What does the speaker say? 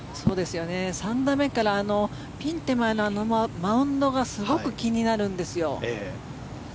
３打目からピン手前のマウンドがすごく気になるんですよ。